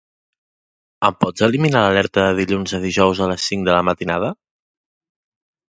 Em pots eliminar l'alerta de dilluns a dijous a les cinc de la matinada?